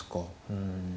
うん。